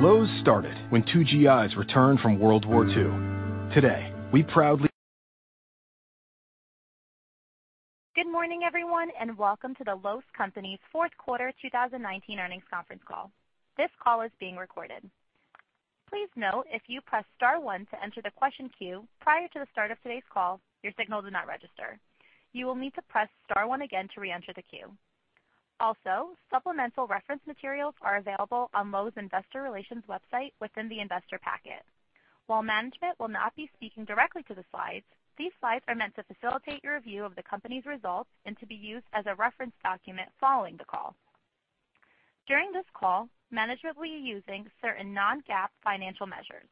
Good morning, everyone, and welcome to the Lowe's Companies' Q4 2019 Earnings Conference Call. This call is being recorded. Please note if you press star one to enter the question queue prior to the start of today's call, your signal did not register. You will need to press star one again to re-enter the queue. Supplemental reference materials are available on Lowe's Investor Relations website within the investor packet. While management will not be speaking directly to the slides, these slides are meant to facilitate your review of the company's results and to be used as a reference document following the call. During this call, management will be using certain non-GAAP financial measures.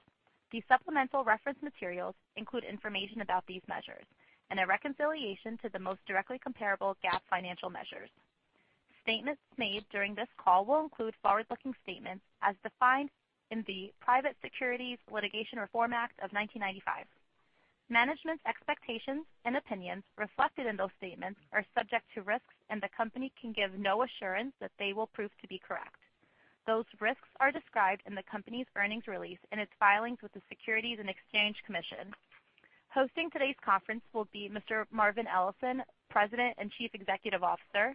These supplemental reference materials include information about these measures and a reconciliation to the most directly comparable GAAP financial measures. Statements made during this call will include forward-looking statements as defined in the Private Securities Litigation Reform Act of 1995. Management’s expectations and opinions reflected in those statements are subject to risks, and the company can give no assurance that they will prove to be correct. Those risks are described in the company’s earnings release in its filings with the Securities and Exchange Commission. Hosting today’s conference will be Mr. Marvin Ellison, President and Chief Executive Officer,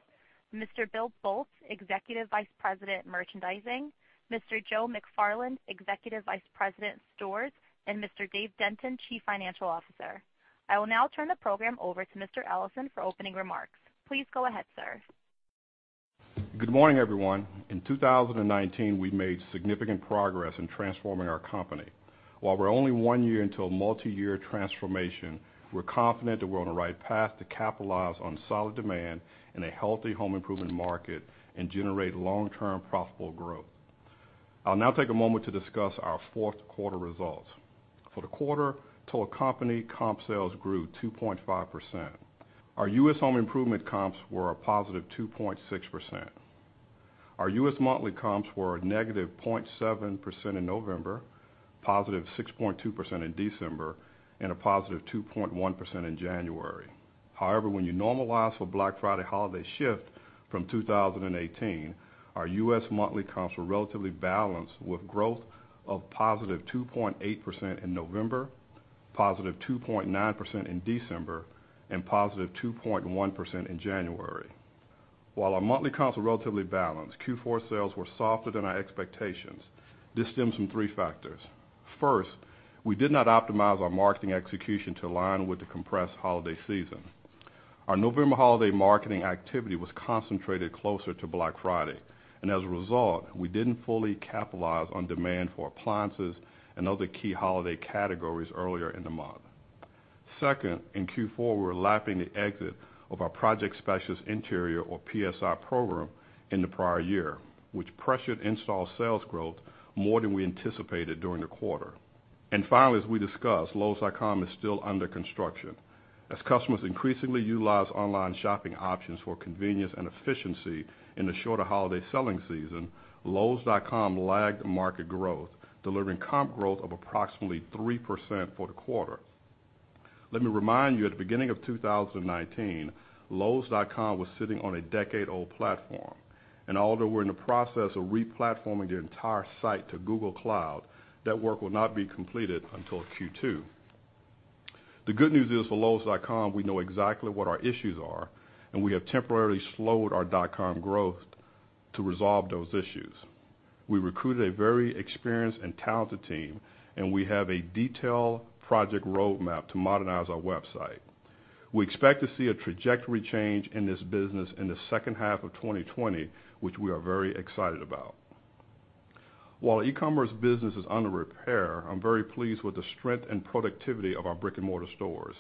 Mr. Bill Boltz, Executive Vice President, Merchandising, Mr. Joe McFarland, Executive Vice President, Stores, and Mr. Dave Denton, Chief Financial Officer. I will now turn the program over to Mr. Ellison for opening remarks. Please go ahead, sir. Good morning, everyone. In 2019, we made significant progress in transforming our company. While we’re only one year into a multi-year transformation, we’re confident that we’re on the right path to capitalize on solid demand in a healthy home improvement market and generate long-term profitable growth. I’ll now take a moment to discuss our Q4 results. For the quarter, total company comp sales grew 2.5%. Our U.S. home improvement comps were a positive 2.6%. Our U.S. monthly comps were a negative 0.7% in November, positive 6.2% in December, and a positive 2.1% in January. However, when you normalize for Black Friday holiday shift from 2018, our U.S. monthly comps were relatively balanced with growth of positive 2.8% in November, positive 2.9% in December, and positive 2.1% in January. While our monthly comps were relatively balanced, Q4 sales were softer than our expectations. This stems from three factors. First, we did not optimize our marketing execution to align with the compressed holiday season. Our November holiday marketing activity was concentrated closer to Black Friday, and as a result, we didn’t fully capitalize on demand for appliances and other key holiday categories earlier in the month. Second, in Q4, we were lapping the exit of our project specialist interior or PSI program in the prior year, which pressured install sales growth more than we anticipated during the quarter. Finally, as we discussed, lowes.com is still under construction. As customers increasingly utilize online shopping options for convenience and efficiency in the shorter holiday selling season, lowes.com lagged market growth, delivering comp growth of approximately 3% for the quarter. Let me remind you, at the beginning of 2019, lowes.com was sitting on a decade-old platform, and although we’re in the process of replatforming the entire site to Google Cloud, that work will not be completed until Q2. The good news is, for lowes.com, we know exactly what our issues are, and we have temporarily slowed our dot com growth to resolve those issues. We recruited a very experienced and talented team, and we have a detailed project roadmap to modernize our website. We expect to see a trajectory change in this business in the H2 of 2020, which we are very excited about. While e-commerce business is under repair, I'm very pleased with the strength and productivity of our brick-and-mortar stores.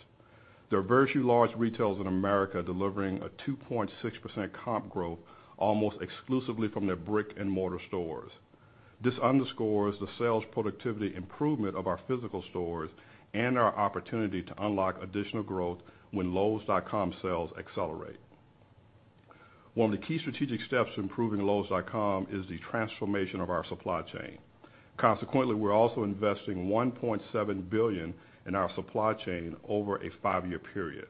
There are very few large retailers in America delivering a 2.6% comp growth almost exclusively from their brick-and-mortar stores. This underscores the sales productivity improvement of our physical stores and our opportunity to unlock additional growth when lowes.com sales accelerate. One of the key strategic steps to improving lowes.com is the transformation of our supply chain. Consequently, we're also investing $1.7 billion in our supply chain over a five-year period.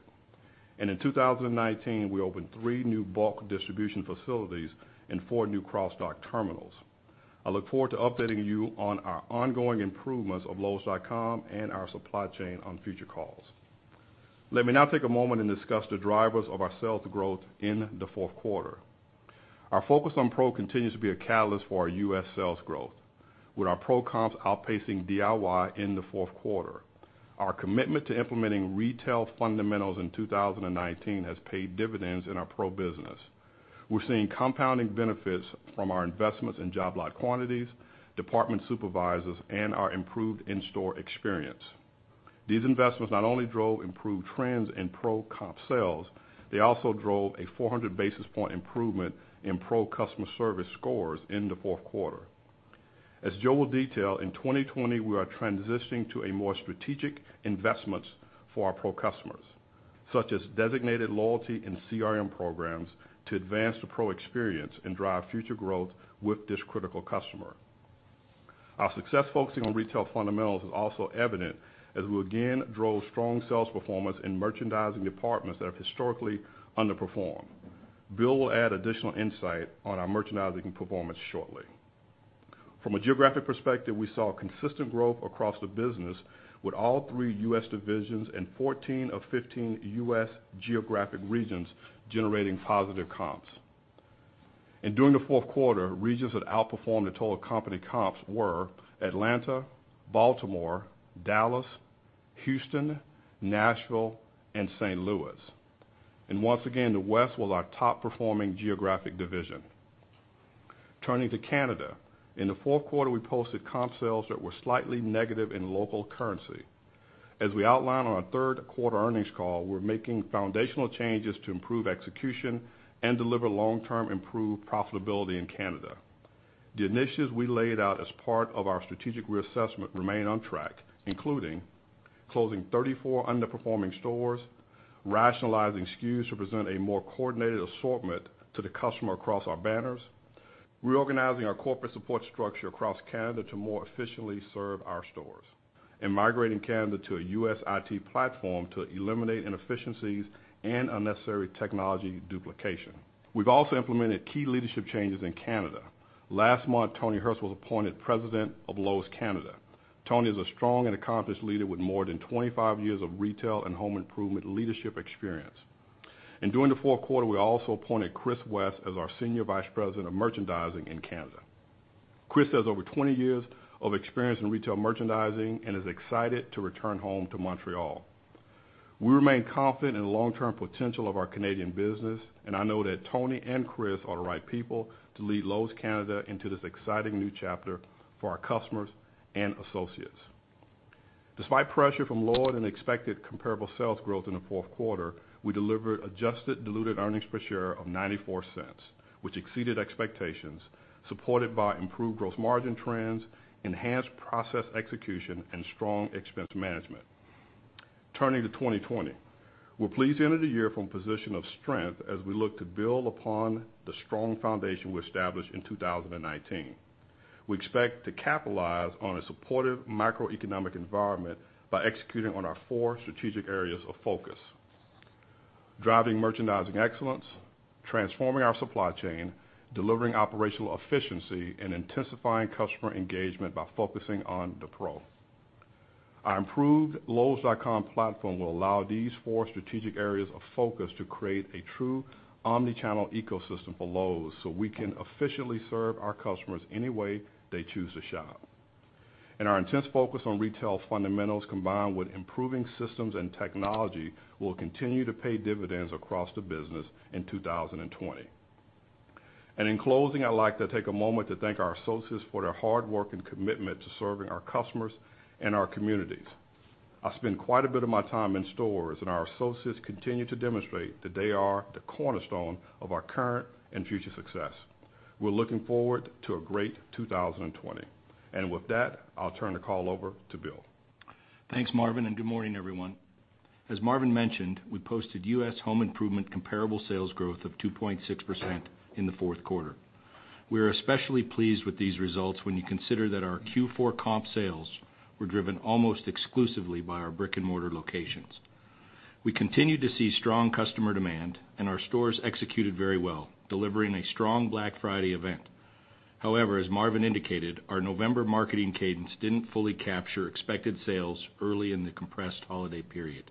In 2019, we opened three new bulk distribution facilities and four new cross-dock terminals. I look forward to updating you on our ongoing improvements of lowes.com and our supply chain on future calls. Let me now take a moment and discuss the drivers of our sales growth in the Q4. Our focus on pro continues to be a catalyst for our U.S. sales growth, with our pro comps outpacing DIY in the Q4. Our commitment to implementing retail fundamentals in 2019 has paid dividends in our pro business. We're seeing compounding benefits from our investments in job log quantities, department supervisors, and our improved in-store experience. These investments not only drove improved trends in pro comp sales, they also drove a 400 basis point improvement in pro customer service scores in the Q4. As Joe will detail, in 2020, we are transitioning to a more strategic investment for our pro customers, such as designated loyalty and CRM programs to advance the pro experience and drive future growth with this critical customer. Our success focusing on retail fundamentals is also evident as we again drove strong sales performance in merchandising departments that have historically underperformed. Bill will add additional insight on our merchandising performance shortly. From a geographic perspective, we saw consistent growth across the business with all three U.S. divisions and 14 of 15 U.S. geographic regions generating positive comps. During the Q4, regions that outperformed the total company comps were Atlanta, Baltimore, Dallas, Houston, Nashville, and St. Louis. Once again, the West was our top-performing geographic division. Turning to Canada. In the fourth quarter, we posted comp sales that were slightly negative in local currency. As we outlined on our Q3 earnings call, we're making foundational changes to improve execution and deliver long-term improved profitability in Canada. The initiatives we laid out as part of our strategic reassessment remain on track, including closing 34 underperforming stores, rationalizing SKUs to present a more coordinated assortment to the customer across our banners, reorganizing our corporate support structure across Canada to more efficiently serve our stores, and migrating Canada to a U.S. IT platform to eliminate inefficiencies and unnecessary technology duplication. We've also implemented key leadership changes in Canada. Last month, Tony Hurst was appointed President of Lowe's Canada. Tony is a strong and accomplished leader with more than 25 years of retail and home improvement leadership experience. During the Q4, we also appointed Chris West as our Senior Vice President of Merchandising in Canada. Chris has over 20 years of experience in retail merchandising and is excited to return home to Montreal. We remain confident in the long-term potential of our Canadian business, and I know that Tony and Chris are the right people to lead Lowe's Canada into this exciting new chapter for our customers and associates. Despite pressure from lower-than-expected comparable sales growth in the Q4, we delivered adjusted diluted earnings per share of $0.94, which exceeded expectations, supported by improved gross margin trends, enhanced process execution, and strong expense management. Turning to 2020. We're pleased to enter the year from a position of strength as we look to build upon the strong foundation we established in 2019. We expect to capitalize on a supportive macroeconomic environment by executing on our four strategic areas of focus: driving merchandising excellence, transforming our supply chain, delivering operational efficiency, and intensifying customer engagement by focusing on the pro. Our improved lowes.com platform will allow these four strategic areas of focus to create a true omni-channel ecosystem for Lowe's so we can efficiently serve our customers any way they choose to shop. Our intense focus on retail fundamentals, combined with improving systems and technology, will continue to pay dividends across the business in 2020. In closing, I'd like to take a moment to thank our associates for their hard work and commitment to serving our customers and our communities. I spend quite a bit of my time in stores, and our associates continue to demonstrate that they are the cornerstone of our current and future success. We're looking forward to a great 2020. With that, I'll turn the call over to Bill. Thanks, Marvin. Good morning, everyone. As Marvin mentioned, we posted U.S. home improvement comparable sales growth of 2.6% in the Q4. We are especially pleased with these results when you consider that our Q4 comp sales were driven almost exclusively by our brick-and-mortar locations. We continue to see strong customer demand, and our stores executed very well, delivering a strong Black Friday event. However, as Marvin indicated, our November marketing cadence didn't fully capture expected sales early in the compressed holiday period.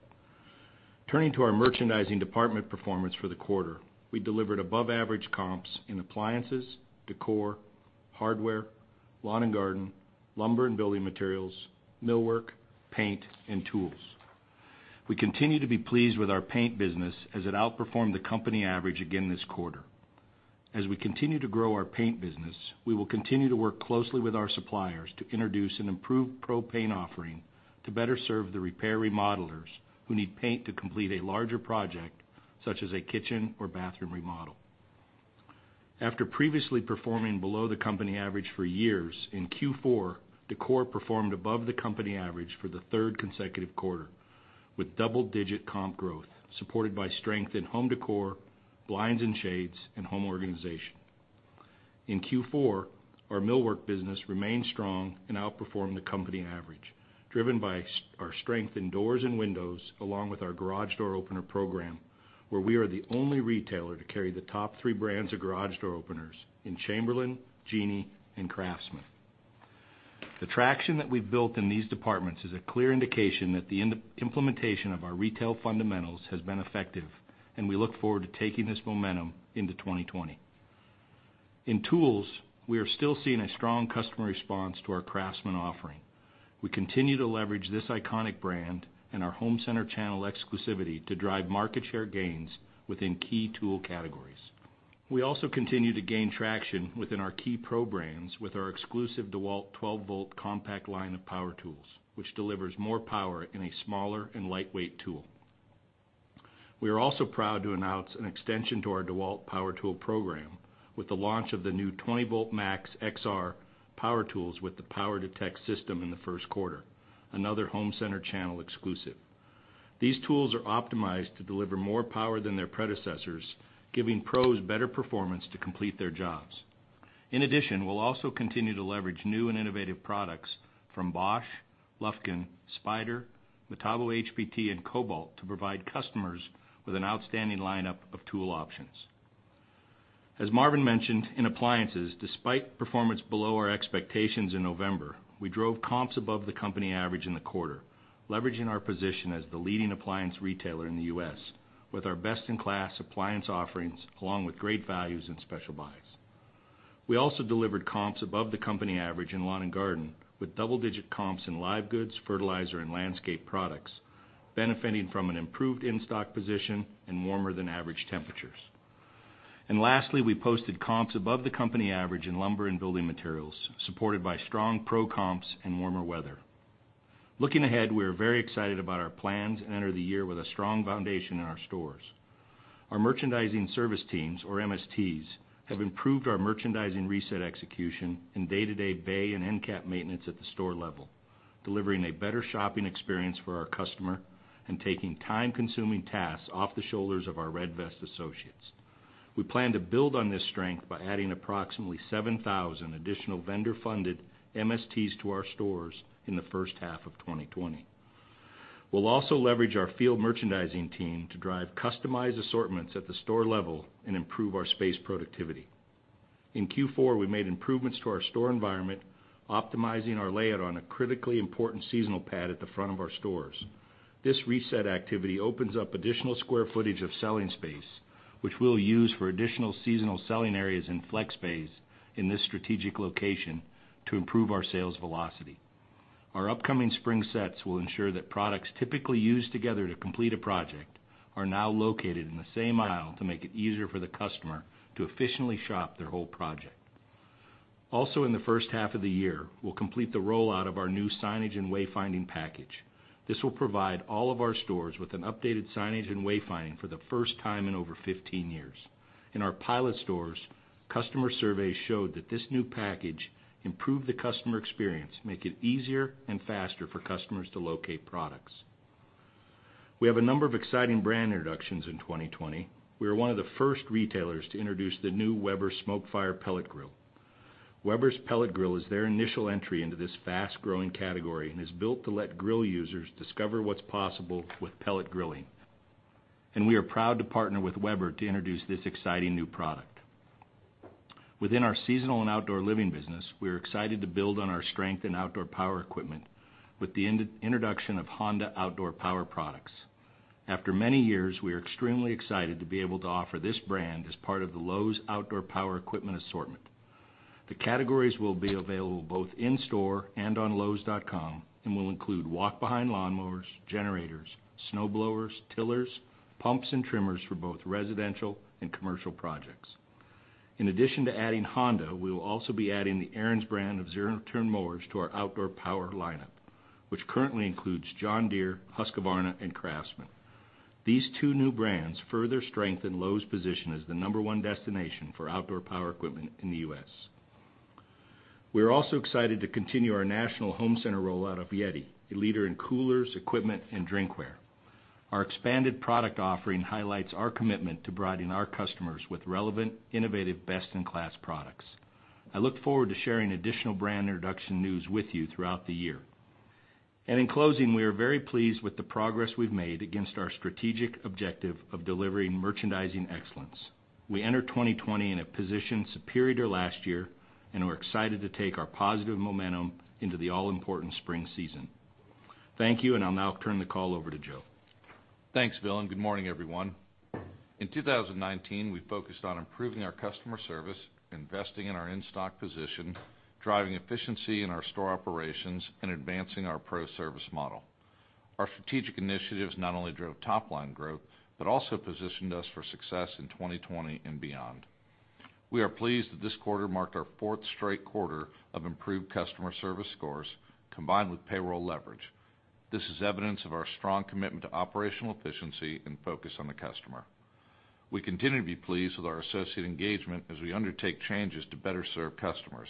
Turning to our merchandising department performance for the quarter. We delivered above-average comps in appliances, decor, hardware, lawn and garden, lumber and building materials, millwork, paint, and tools. We continue to be pleased with our paint business as it outperformed the company average again this quarter. As we continue to grow our paint business, we will continue to work closely with our suppliers to introduce an improved pro paint offering to better serve the repair remodelers who need paint to complete a larger project, such as a kitchen or bathroom remodel. After previously performing below the company average for years, in Q4, decor performed above the company average for the third consecutive quarter with double-digit comp growth, supported by strength in home decor, blinds and shades, and home organization. In Q4, our millwork business remained strong and outperformed the company average, driven by our strength in doors and windows, along with our garage door opener program, where we are the only retailer to carry the top three brands of garage door openers in Chamberlain, Genie, and Craftsman. The traction that we've built in these departments is a clear indication that the implementation of our retail fundamentals has been effective, and we look forward to taking this momentum into 2020. In tools, we are still seeing a strong customer response to our Craftsman offering. We continue to leverage this iconic brand and our home center channel exclusivity to drive market share gains within key tool categories. We also continue to gain traction within our key programs with our exclusive DeWalt 12-volt compact line of power tools, which delivers more power in a smaller and lightweight tool. We are also proud to announce an extension to our DeWalt power tool program with the launch of the new 20V MAX XR power tools with the POWER DETECT system in the first quarter, another home center channel exclusive. These tools are optimized to deliver more power than their predecessors, giving pros better performance to complete their jobs. In addition, we'll also continue to leverage new and innovative products from Bosch, Lufkin, Spyder, Metabo HPT, and Kobalt to provide customers with an outstanding lineup of tool options. As Marvin mentioned, in appliances, despite performance below our expectations in November, we drove comps above the company average in the quarter, leveraging our position as the leading appliance retailer in the U.S. with our best-in-class appliance offerings, along with great values and special buys. We also delivered comps above the company average in lawn and garden, with double-digit comps in live goods, fertilizer, and landscape products, benefiting from an improved in-stock position and warmer than average temperatures. Lastly, we posted comps above the company average in lumber and building materials, supported by strong pro comps and warmer weather. Looking ahead, we are very excited about our plans and enter the year with a strong foundation in our stores. Our merchandising service teams, or MSTs, have improved our merchandising reset execution and day-to-day bay and endcap maintenance at the store level, delivering a better shopping experience for our customer and taking time-consuming tasks off the shoulders of our red vest associates. We plan to build on this strength by adding approximately 7,000 additional vendor-funded MSTs to our stores in the H1 of 2020. We'll also leverage our field merchandising team to drive customized assortments at the store level and improve our space productivity. In Q4, we made improvements to our store environment, optimizing our layout on a critically important seasonal pad at the front of our stores. This reset activity opens up additional square footage of selling space, which we'll use for additional seasonal selling areas and flex space in this strategic location to improve our sales velocity. Our upcoming spring sets will ensure that products typically used together to complete a project are now located in the same aisle to make it easier for the customer to efficiently shop their whole project. Also, in the H1 of the year, we'll complete the rollout of our new signage and wayfinding package. This will provide all of our stores with an updated signage and wayfinding for the first time in over 15 years. In our pilot stores, customer surveys showed that this new package improved the customer experience, making it easier and faster for customers to locate products. We have a number of exciting brand introductions in 2020. We are one of the first retailers to introduce the new Weber SmokeFire pellet grill. Weber's pellet grill is their initial entry into this fast-growing category and is built to let grill users discover what's possible with pellet grilling. We are proud to partner with Weber to introduce this exciting new product. Within our seasonal and outdoor living business, we are excited to build on our strength in outdoor power equipment with the introduction of Honda outdoor power products. After many years, we are extremely excited to be able to offer this brand as part of the Lowe's outdoor power equipment assortment. The categories will be available both in-store and on lowes.com and will include walk-behind lawnmowers, generators, snowblowers, tillers, pumps, and trimmers for both residential and commercial projects. In addition to adding Honda, we will also be adding the Ariens brand of zero-turn mowers to our outdoor power lineup, which currently includes John Deere, Husqvarna, and Craftsman. These two new brands further strengthen Lowe's position as the number one destination for outdoor power equipment in the U.S. We're also excited to continue our national home center rollout of YETI, a leader in coolers, equipment, and drinkware. Our expanded product offering highlights our commitment to providing our customers with relevant, innovative, best-in-class products. I look forward to sharing additional brand introduction news with you throughout the year. In closing, we are very pleased with the progress we've made against our strategic objective of delivering merchandising excellence. We enter 2020 in a position superior to last year, and we're excited to take our positive momentum into the all-important spring season. Thank you. I'll now turn the call over to Joe. Thanks, Bill. Good morning, everyone. In 2019, we focused on improving our customer service, investing in our in-stock position, driving efficiency in our store operations, and advancing our pro service model. Our strategic initiatives not only drove top-line growth, but also positioned us for success in 2020 and beyond. We are pleased that this quarter marked our fourth straight quarter of improved customer service scores, combined with payroll leverage. This is evidence of our strong commitment to operational efficiency and focus on the customer. We continue to be pleased with our associate engagement as we undertake changes to better serve customers.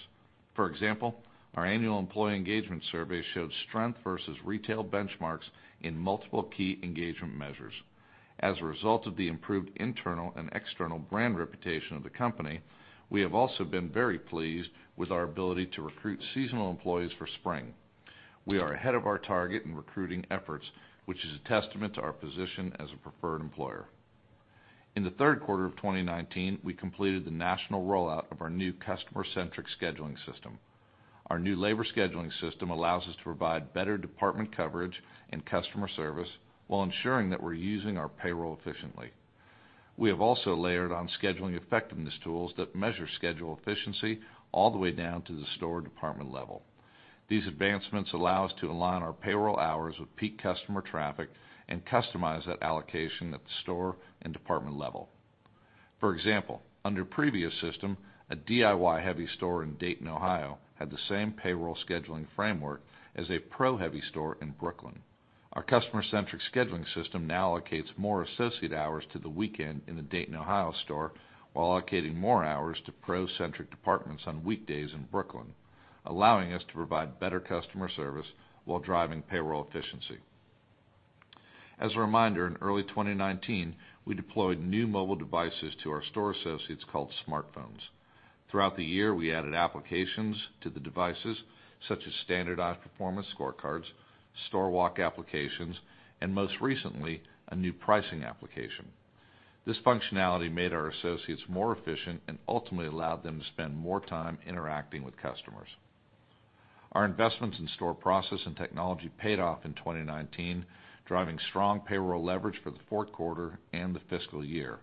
For example, our annual employee engagement survey showed strength versus retail benchmarks in multiple key engagement measures. As a result of the improved internal and external brand reputation of the company, we have also been very pleased with our ability to recruit seasonal employees for spring. We are ahead of our target in recruiting efforts, which is a testament to our position as a preferred employer. In the Q3 of 2019, we completed the national rollout of our new customer-centric scheduling system. Our new labor scheduling system allows us to provide better department coverage and customer service while ensuring that we're using our payroll efficiently. We have also layered on scheduling effectiveness tools that measure schedule efficiency all the way down to the store department level. These advancements allow us to align our payroll hours with peak customer traffic and customize that allocation at the store and department level. For example, under previous system, a DIY-heavy store in Dayton, Ohio, had the same payroll scheduling framework as a pro-heavy store in Brooklyn. Our customer-centric scheduling system now allocates more associate hours to the weekend in the Dayton, Ohio, store while allocating more hours to pro-centric departments on weekdays in Brooklyn, allowing us to provide better customer service while driving payroll efficiency. As a reminder, in early 2019, we deployed new mobile devices to our store associates called smartphones. Throughout the year, we added applications to the devices such as standardized performance scorecards, store walk applications, and most recently, a new pricing application. This functionality made our associates more efficient and ultimately allowed them to spend more time interacting with customers. Our investments in store process and technology paid off in 2019, driving strong payroll leverage for the fourth quarter and the fiscal year,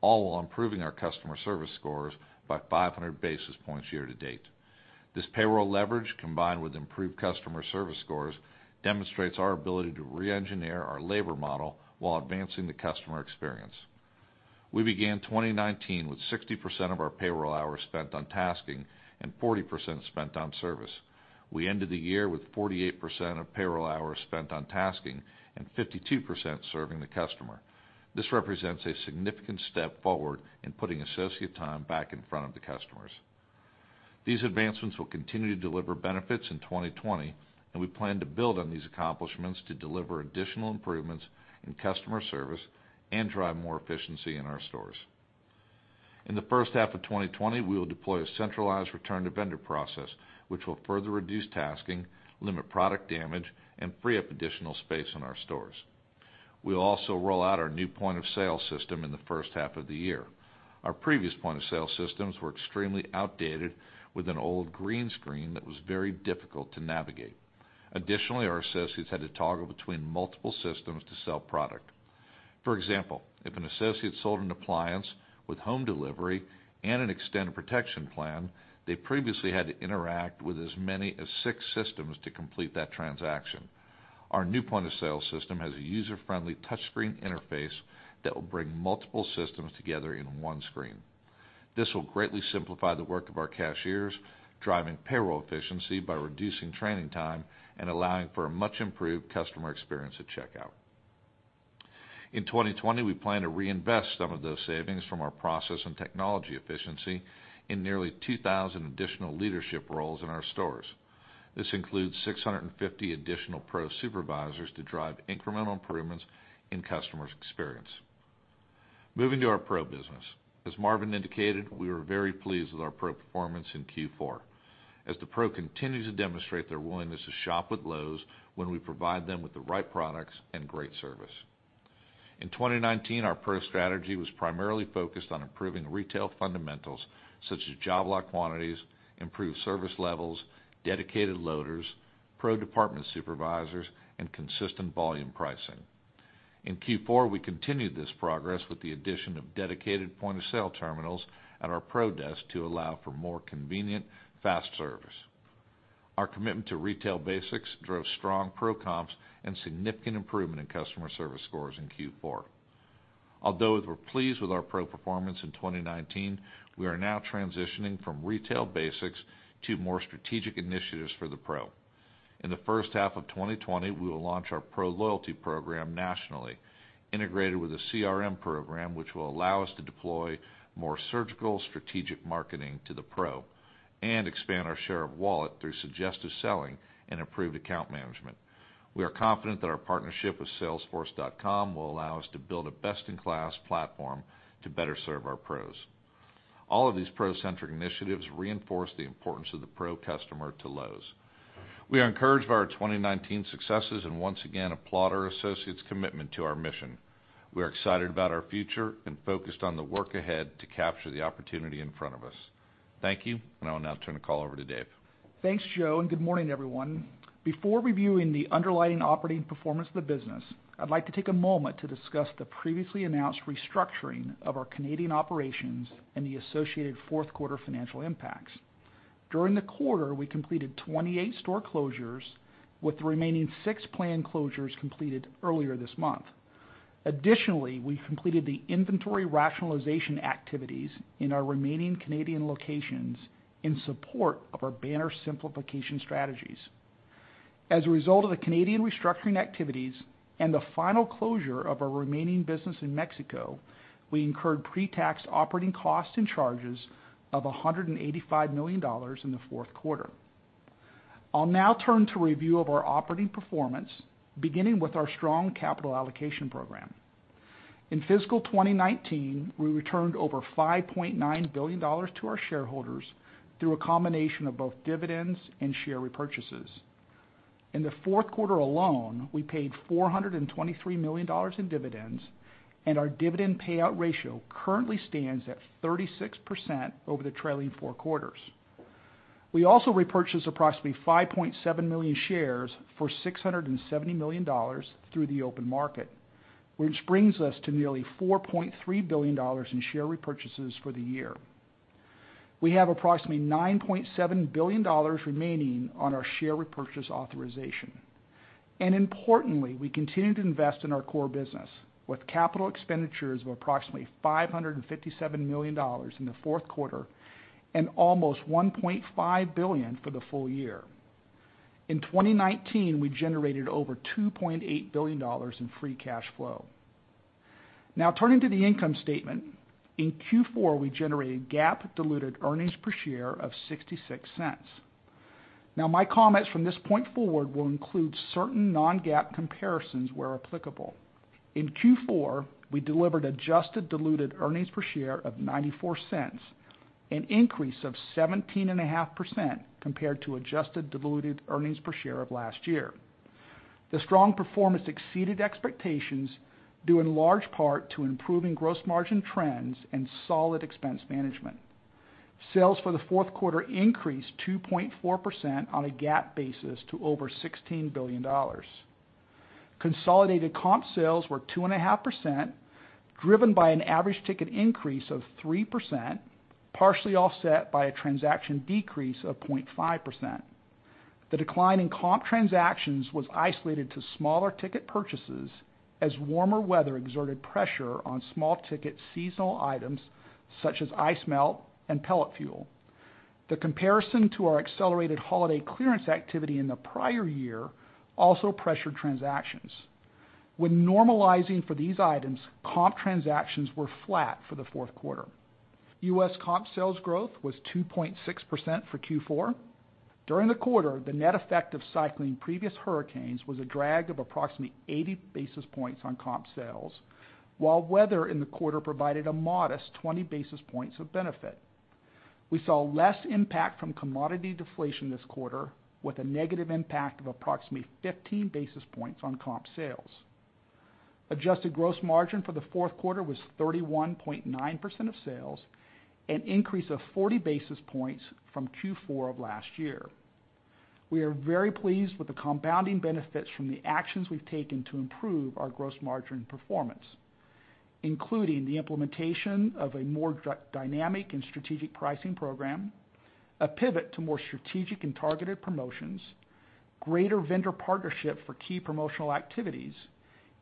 all while improving our customer service scores by 500 basis points year-to-date. This payroll leverage, combined with improved customer service scores, demonstrates our ability to re-engineer our labor model while advancing the customer experience. We began 2019 with 60% of our payroll hours spent on tasking and 40% spent on service. We ended the year with 48% of payroll hours spent on tasking and 52% serving the customer. This represents a significant step forward in putting associate time back in front of the customers. These advancements will continue to deliver benefits in 2020, and we plan to build on these accomplishments to deliver additional improvements in customer service and drive more efficiency in our stores. In the H1 of 2020, we will deploy a centralized return-to-vendor process, which will further reduce tasking, limit product damage, and free up additional space in our stores. We'll also roll out our new point-of-sale system in the H1 of the year. Our previous point-of-sale systems were extremely outdated with an old green screen that was very difficult to navigate. Additionally, our associates had to toggle between multiple systems to sell product. For example, if an associate sold an appliance with home delivery and an extended protection plan, they previously had to interact with as many as six systems to complete that transaction. Our new point-of-sale system has a user-friendly touchscreen interface that will bring multiple systems together in one screen. This will greatly simplify the work of our cashiers, driving payroll efficiency by reducing training time and allowing for a much-improved customer experience at checkout. In 2020, we plan to reinvest some of those savings from our process and technology efficiency in nearly 2,000 additional leadership roles in our stores. This includes 650 additional pro supervisors to drive incremental improvements in customers' experience. Moving to our pro business. As Marvin indicated, we were very pleased with our pro performance in Q4, as the pro continued to demonstrate their willingness to shop with Lowe's when we provide them with the right products and great service. In 2019, our pro strategy was primarily focused on improving retail fundamentals, such as job lock quantities, improved service levels, dedicated loaders, pro department supervisors, and consistent volume pricing. In Q4, we continued this progress with the addition of dedicated point-of-sale terminals at our pro desk to allow for more convenient, fast service. Our commitment to retail basics drove strong pro comps and significant improvement in customer service scores in Q4. Although we're pleased with our pro performance in 2019, we are now transitioning from retail basics to more strategic initiatives for the pro. In the H1 of 2020, we will launch our pro loyalty program nationally, integrated with a CRM program, which will allow us to deploy more surgical, strategic marketing to the pro and expand our share of wallet through suggestive selling and improved account management. We are confident that our partnership with salesforce.com will allow us to build a best-in-class platform to better serve our pros. All of these pro-centric initiatives reinforce the importance of the pro customer to Lowe's. We are encouraged by our 2019 successes and once again applaud our associates' commitment to our mission. We are excited about our future and focused on the work ahead to capture the opportunity in front of us. Thank you, and I will now turn the call over to Dave. Thanks, Joe, and good morning, everyone. Before reviewing the underlying operating performance of the business, I'd like to take a moment to discuss the previously announced restructuring of our Canadian operations and the associated fourth quarter financial impacts. During the quarter, we completed 28 store closures, with the remaining six planned closures completed earlier this month. Additionally, we completed the inventory rationalization activities in our remaining Canadian locations in support of our banner simplification strategies. As a result of the Canadian restructuring activities and the final closure of our remaining business in Mexico, we incurred pre-tax operating costs and charges of $185 million in the Q4. I'll now turn to review of our operating performance, beginning with our strong capital allocation program. In fiscal 2019, we returned over $5.9 billion to our shareholders through a combination of both dividends and share repurchases. In the Q4 alone, we paid $423 million in dividends, and our dividend payout ratio currently stands at 36% over the trailing four quarters. We also repurchased approximately 5.7 million shares for $670 million through the open market, which brings us to nearly $4.3 billion in share repurchases for the year. We have approximately $9.7 billion remaining on our share repurchase authorization. Importantly, we continue to invest in our core business with capital expenditures of approximately $557 million in the Q4 and almost $1.5 billion for the full-year. In 2019, we generated over $2.8 billion in free cash flow. Now turning to the income statement. In Q4, we generated GAAP diluted earnings per share of $0.66. Now, my comments from this point forward will include certain non-GAAP comparisons where applicable. In Q4, we delivered adjusted diluted earnings per share of $0.94, an increase of 17.5% compared to adjusted diluted earnings per share of last year. The strong performance exceeded expectations, due in large part to improving gross margin trends and solid expense management. Sales for the Q4 increased 2.4% on a GAAP basis to over $16 billion. Consolidated comp sales were 2.5%, driven by an average ticket increase of 3%, partially offset by a transaction decrease of 0.5%. The decline in comp transactions was isolated to smaller ticket purchases as warmer weather exerted pressure on small ticket seasonal items such as ice melt and pellet fuel. The comparison to our accelerated holiday clearance activity in the prior year also pressured transactions. When normalizing for these items, comp transactions were flat for the Q4. U.S. comp sales growth was 2.6% for Q4. During the quarter, the net effect of cycling previous hurricanes was a drag of approximately 80 basis points on comp sales, while weather in the quarter provided a modest 20 basis points of benefit. We saw less impact from commodity deflation this quarter with a negative impact of approximately 15 basis points on comp sales. Adjusted gross margin for the Q4 was 31.9% of sales, an increase of 40 basis points from Q4 of last year. We are very pleased with the compounding benefits from the actions we've taken to improve our gross margin performance, including the implementation of a more dynamic and strategic pricing program, a pivot to more strategic and targeted promotions, greater vendor partnership for key promotional activities,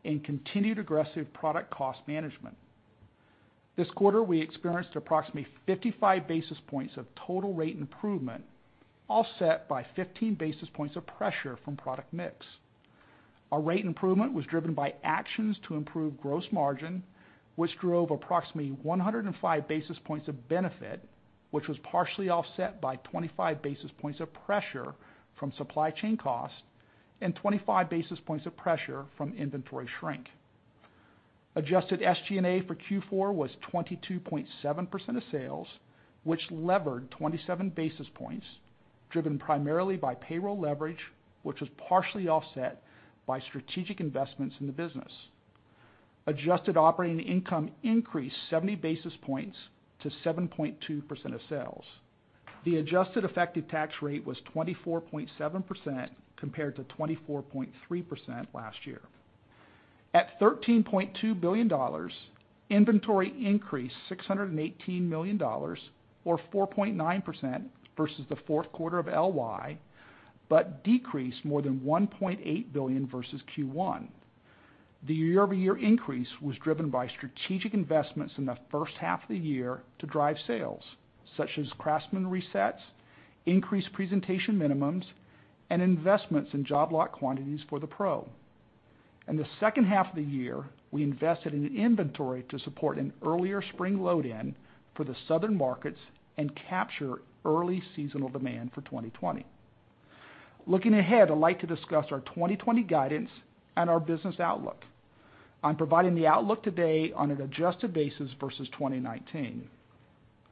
and continued aggressive product cost management. This quarter, we experienced approximately 55 basis points of total rate improvement, offset by 15 basis points of pressure from product mix. Our rate improvement was driven by actions to improve gross margin, which drove approximately 105 basis points of benefit, which was partially offset by 25 basis points of pressure from supply chain costs and 25 basis points of pressure from inventory shrink. Adjusted SG&A for Q4 was 22.7% of sales, which levered 27 basis points, driven primarily by payroll leverage, which was partially offset by strategic investments in the business. Adjusted operating income increased 70 basis points to 7.2% of sales. The adjusted effective tax rate was 24.7% compared to 24.3% last year. At $13.2 billion, inventory increased $618 million, or 4.9%, versus the Q4 of LY, but decreased more than $1.8 billion versus Q1. The year-over-year increase was driven by strategic investments in the H1 of the year to drive sales, such as Craftsman resets, increased presentation minimums, and investments in job lock quantities for the pro. In the H2 of the year, we invested in inventory to support an earlier spring load-in for the southern markets and capture early seasonal demand for 2020. Looking ahead, I'd like to discuss our 2020 guidance and our business outlook. I'm providing the outlook today on an adjusted basis versus 2019.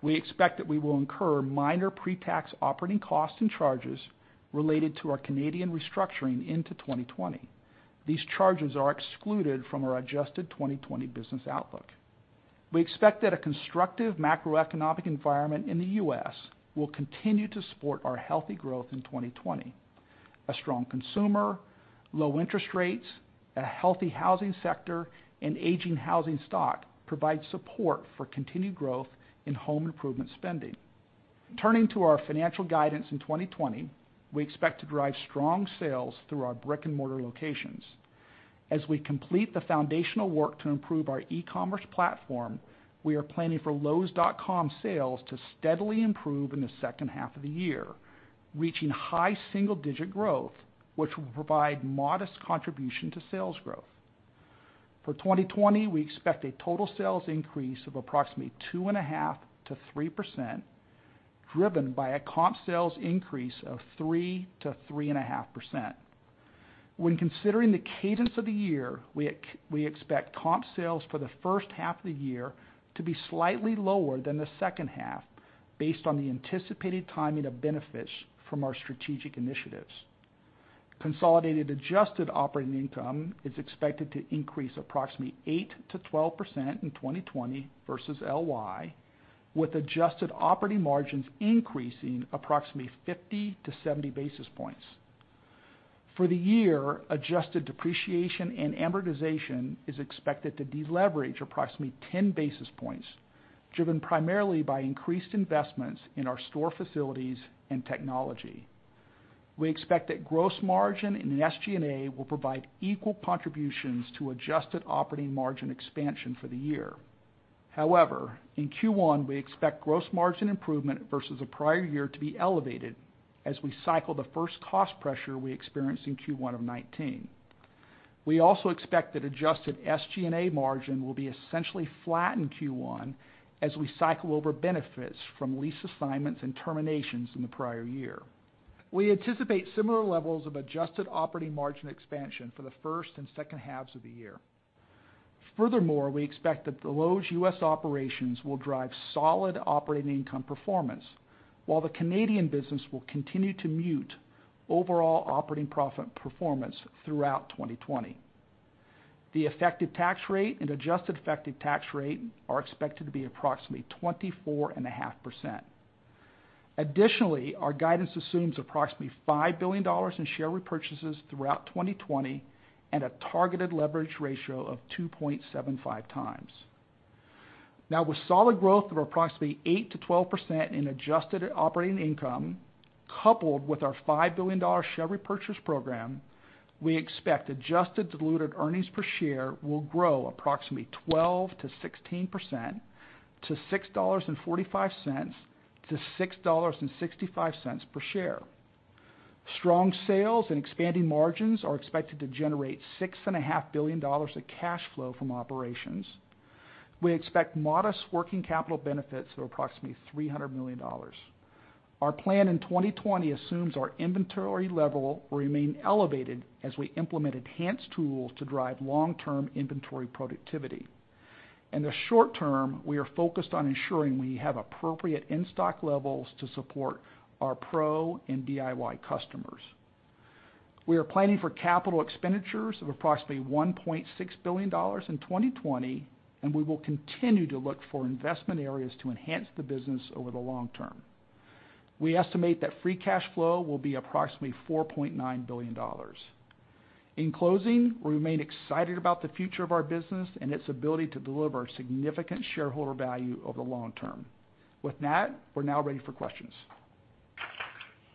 We expect that we will incur minor pre-tax operating costs and charges related to our Canadian restructuring into 2020. These charges are excluded from our adjusted 2020 business outlook. We expect that a constructive macroeconomic environment in the U.S. will continue to support our healthy growth in 2020. A strong consumer, low interest rates, a healthy housing sector, and aging housing stock provide support for continued growth in home improvement spending. Turning to our financial guidance in 2020, we expect to drive strong sales through our brick-and-mortar locations. As we complete the foundational work to improve our e-commerce platform, we are planning for lowes.com sales to steadily improve in the H2 of the year, reaching high single-digit growth, which will provide modest contribution to sales growth. For 2020, we expect a total sales increase of approximately 2.5%-3%, driven by a comp sales increase of 3%-3.5%. When considering the cadence of the year, we expect comp sales for the H1 of the year to be slightly lower than the second half based on the anticipated timing of benefits from our strategic initiatives. Consolidated adjusted operating income is expected to increase approximately 8%-12% in 2020 versus LY, with adjusted operating margins increasing approximately 50-70 basis points. For the year, adjusted depreciation and amortization is expected to deleverage approximately 10 basis points, driven primarily by increased investments in our store facilities and technology. We expect that gross margin and SG&A will provide equal contributions to adjusted operating margin expansion for the year. In Q1, we expect gross margin improvement versus the prior year to be elevated as we cycle the first cost pressure we experienced in Q1 of 2019. We also expect that adjusted SG&A margin will be essentially flat in Q1 as we cycle over benefits from lease assignments and terminations in the prior year. We anticipate similar levels of adjusted operating margin expansion for the first and second halves of the year. We expect that the Lowe's U.S. operations will drive solid operating income performance, while the Canadian business will continue to mute overall operating profit performance throughout 2020. The effective tax rate and adjusted effective tax rate are expected to be approximately 24.5%. Additionally, our guidance assumes approximately $5 billion in share repurchases throughout 2020 and a targeted leverage ratio of 2.75 times. With solid growth of approximately 8%-12% in adjusted operating income, coupled with our $5 billion share repurchase program, we expect adjusted diluted earnings per share will grow approximately 12%-16%, to $6.45-$6.65 per share. Strong sales and expanding margins are expected to generate $6.5 billion of cash flow from operations. We expect modest working capital benefits of approximately $300 million. Our plan in 2020 assumes our inventory level will remain elevated as we implement enhanced tools to drive long-term inventory productivity. In the short term, we are focused on ensuring we have appropriate in-stock levels to support our pro and DIY customers. We are planning for capital expenditures of approximately $1.6 billion in 2020. We will continue to look for investment areas to enhance the business over the long term. We estimate that free cash flow will be approximately $4.9 billion. In closing, we remain excited about the future of our business and its ability to deliver significant shareholder value over the long term. With that, we're now ready for questions.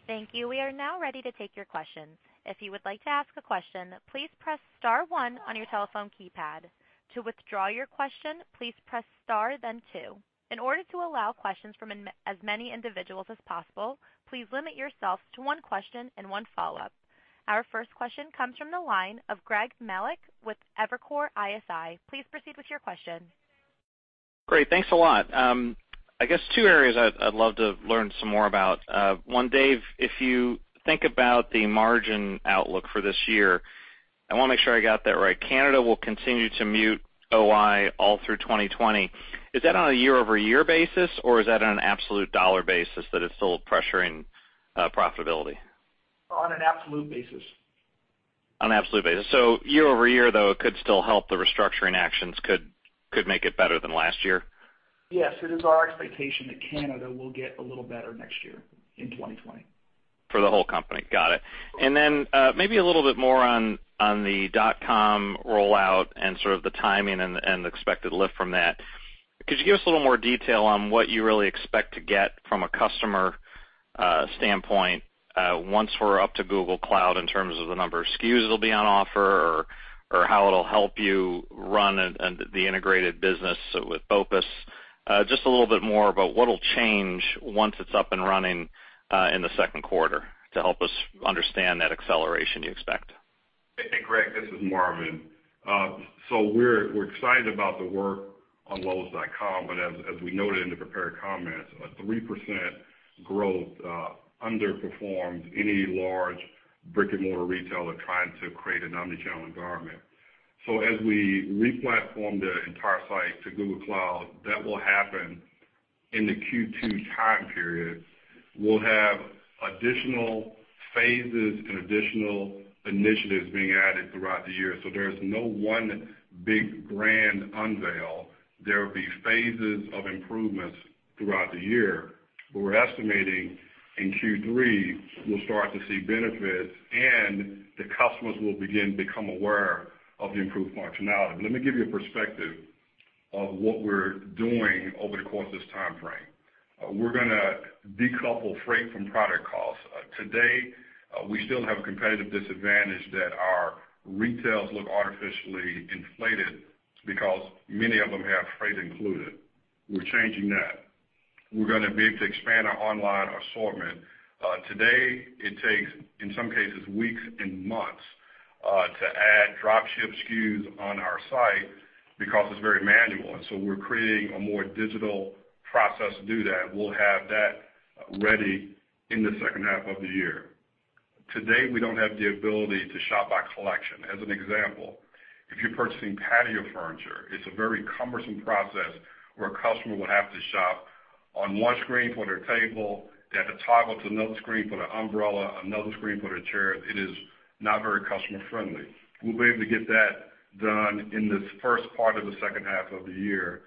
Thank you. We are now ready to take your questions. If you would like to ask a question, please press star one on your telephone keypad. To withdraw your question, please press star, then two. In order to allow questions from as many individuals as possible, please limit yourself to one question and one follow-up. Our first question comes from the line of Greg Melich with Evercore ISI. Please proceed with your question. Great. Thanks a lot. I guess two areas I'd love to learn some more about. One, Dave, if you think about the margin outlook for this year, I want to make sure I got that right. Canada will continue to mute OI all through 2020. Is that on a year-over-year basis, or is that on an absolute dollar basis that it's still pressuring profitability? On an absolute basis. On an absolute basis. Year-over-year, though, it could still help the restructuring actions could make it better than last year? Yes, it is our expectation that Canada will get a little better next year in 2020. For the whole company. Got it. Maybe a little bit more on the lowes.com rollout and sort of the timing and the expected lift from that. Could you give us a little more detail on what you really expect to get from a customer standpoint once we're up to Google Cloud in terms of the number of SKUs that'll be on offer or how it'll help you run the integrated business with BOPIS? Just a little bit more about what'll change once it's up and running in the second quarter to help us understand that acceleration you expect. Hey, Greg, this is Marvin. We're excited about the work on lowes.com, but as we noted in the prepared comments, a 3% growth underperforms any large brick-and-mortar retailer trying to create an omni-channel environment. As we re-platform the entire site to Google Cloud, that will happen in the Q2 time period. We'll have additional phases and additional initiatives being added throughout the year. There's no one big grand unveil. There will be phases of improvements throughout the year, but we're estimating in Q3, we'll start to see benefits and the customers will begin to become aware of the improved functionality. Let me give you a perspective of what we're doing over the course of this timeframe. We're going to decouple freight from product costs. Today, we still have a competitive disadvantage that our retails look artificially inflated because many of them have freight included. We're changing that. We're going to be able to expand our online assortment. Today, it takes, in some cases, weeks and months, to add drop ship SKUs on our site because it's very manual, and so we're creating a more digital process to do that, and we'll have that ready in the H2 of the year. Today, we don't have the ability to shop by collection. As an example, if you're purchasing patio furniture, it's a very cumbersome process where a customer would have to shop on one screen for their table. They have to toggle to another screen for their umbrella, another screen for their chair. It is not very customer friendly. We'll be able to get that done in the first part of the H2 of the year.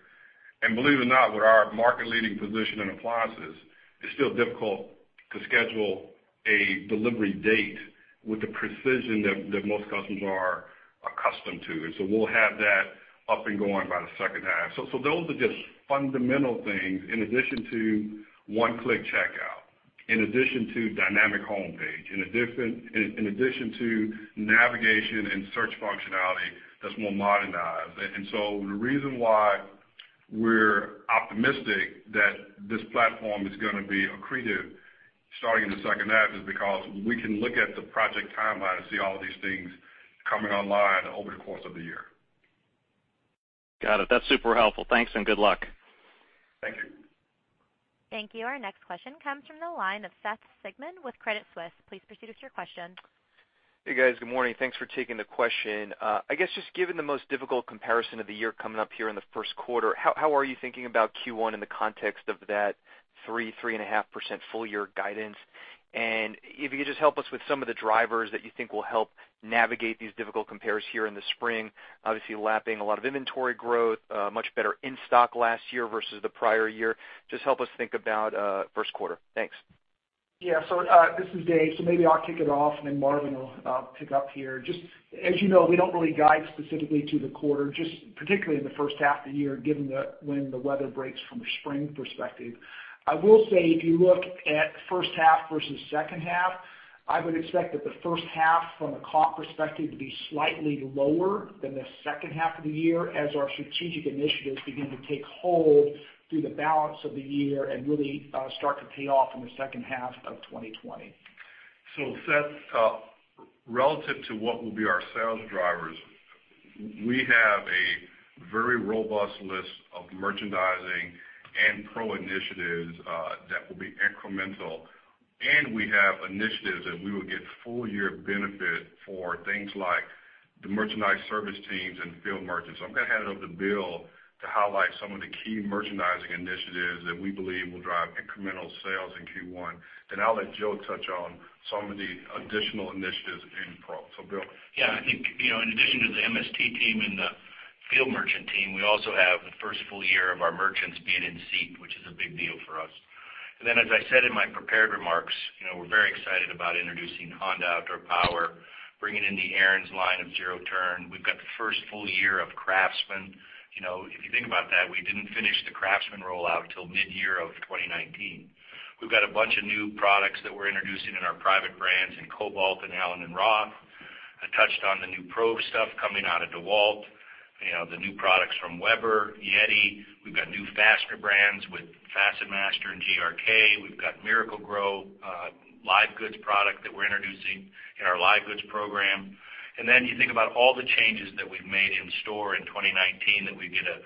Believe it or not, with our market leading position in appliances, it's still difficult to schedule a delivery date with the precision that most customers are accustomed to. We'll have that up and going by the second half. Those are just fundamental things in addition to one-click checkout, in addition to dynamic homepage, in addition to navigation and search functionality that's more modernized. The reason why we're optimistic that this platform is going to be accretive starting in the second half is because we can look at the project timeline and see all of these things coming online over the course of the year. Got it. That's super helpful. Thanks and good luck. Thank you. Thank you. Our next question comes from the line of Seth Sigman with Credit Suisse. Please proceed with your question. Hey, guys. Good morning. Thanks for taking the question. I guess just given the most difficult comparison of the year coming up here in the Q1, how are you thinking about Q1 in the context of that 3%, 3.5% full-year guidance? If you could just help us with some of the drivers that you think will help navigate these difficult compares here in the spring, obviously lapping a lot of inventory growth, much better in stock last year versus the prior year. Just help us think about Q1. Thanks. Yeah. This is Dave. Maybe I'll kick it off and then Marvin will pick up here. Just as you know, we don't really guide specifically to the quarter, just particularly in the H1 of the year, given when the weather breaks from a spring perspective. I will say, if you look at first half versus second half, I would expect that the first half from a comp perspective to be slightly lower than the H2 of the year as our strategic initiatives begin to take hold through the balance of the year and really start to pay off in the H2 of 2020. Seth, relative to what will be our sales drivers, we have a very robust list of merchandising and Pro initiatives that will be incremental, and we have initiatives that we will get full-year benefit for things like the Merchandising Service Teams and field merchants. I'm going to hand it over to Bill to highlight some of the key merchandising initiatives that we believe will drive incremental sales in Q1, then I'll let Joe touch on some of the additional initiatives in Pro. Bill. Yeah, I think, in addition to the MST team and the field merchant team, we also have the first full year of our merchants being in seat, which is a big deal for us. As I said in my prepared remarks, we're very excited about introducing Honda Outdoor Power, bringing in the Ariens line of Zero Turn. We've got the first full year of Craftsman. If you think about that, we didn't finish the Craftsman rollout till mid-year of 2019. We've got a bunch of new products that we're introducing in our private brands in Kobalt and allen + roth. I touched on the new Pro stuff coming out of DeWalt. The new products from Weber, YETI. We've got new fastener brands with FastenMaster and GRK. We've got Miracle-Gro, live goods product that we're introducing in our live goods program. Then you think about all the changes that we've made in store in 2019 that we get to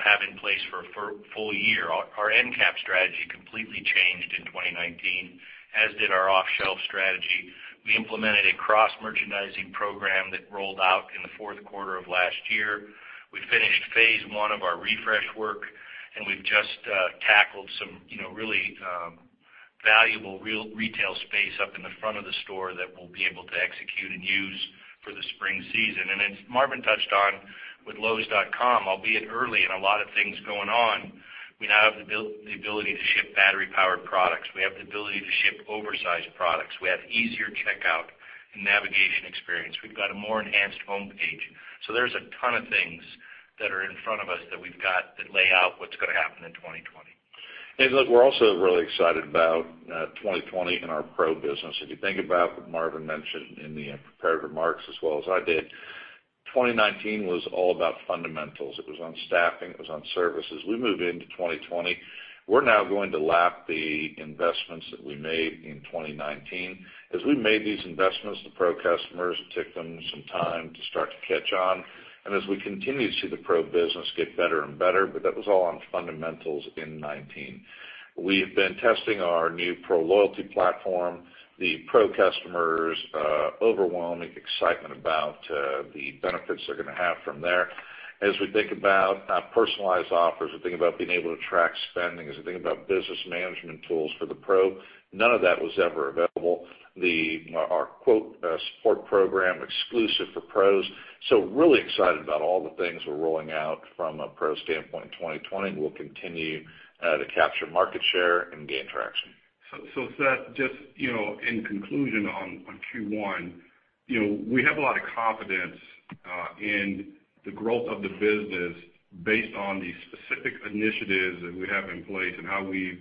have in place for a full year. Our end cap strategy completely changed in 2019, as did our off-shelf strategy. We implemented a cross-merchandising program that rolled out in the Q4 of last year. We finished phase 1 of our refresh work, and we've just tackled some really valuable retail space up in the front of the store that we'll be able to execute and use for the spring season. As Marvin touched on with lowes.com, albeit early and a lot of things going on, we now have the ability to ship battery-powered products. We have the ability to ship oversized products. We have easier checkout and navigation experience. We've got a more enhanced homepage. There's a ton of things that are in front of us that we've got that lay out what's going to happen in 2020. Look, we're also really excited about 2020 in our Pro business. If you think about what Marvin mentioned in the prepared remarks as well as I did, 2019 was all about fundamentals. It was on staffing, it was on services. We move into 2020, we're now going to lap the investments that we made in 2019. As we made these investments to Pro customers, it took them some time to start to catch on. As we continue to see the Pro business get better and better, but that was all on fundamentals in 2019. We have been testing our new Pro loyalty platform. The Pro customers' overwhelming excitement about the benefits they're going to have from there. As we think about personalized offers, we think about being able to track spending, as we think about business management tools for the Pro, none of that was ever available. Our quote support program exclusive for Pros. Really excited about all the things we're rolling out from a Pro standpoint in 2020, and we'll continue to capture market share and gain traction. Seth, just in conclusion on Q1, we have a lot of confidence in the growth of the business based on the specific initiatives that we have in place and how we've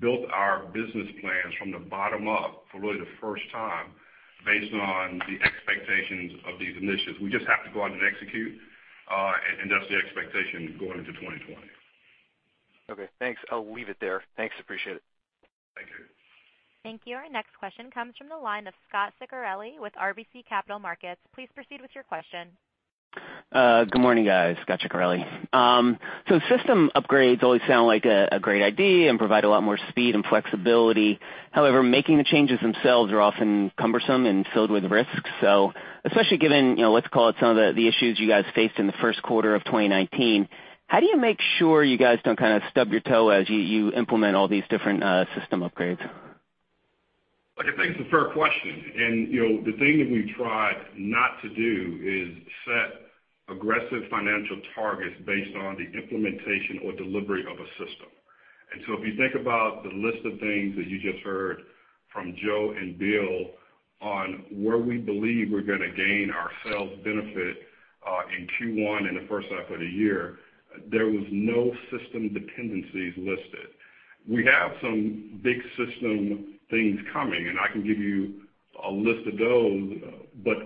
built our business plans from the bottom up for really the first time based on the expectations of these initiatives. We just have to go out and execute, and that's the expectation going into 2020. Okay, thanks. I'll leave it there. Thanks, appreciate it. Thank you. Thank you. Our next question comes from the line of Scot Ciccarelli with RBC Capital Markets. Please proceed with your question. Good morning, guys. Scot Ciccarelli. System upgrades always sound like a great idea and provide a lot more speed and flexibility. However, making the changes themselves are often cumbersome and filled with risks. Especially given, let's call it some of the issues you guys faced in the Q1 of 2019, how do you make sure you guys don't kind of stub your toe as you implement all these different system upgrades? Look, I think it's a fair question. The thing that we try not to do is set aggressive financial targets based on the implementation or delivery of a system. If you think about the list of things that you just heard from Joe and Bill on where we believe we're going to gain our sales benefit in Q1 and the H1 of the year, there was no system dependencies listed. We have some big system things coming. I can give you a list of those.